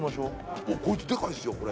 海いでかいっすよこれ。